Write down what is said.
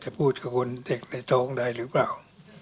พูดกับคนเด็กในท้องได้หรือเปล่า